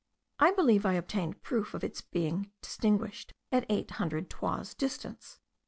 I believe I obtained proof of its being distinguished at eight hundred toises distance.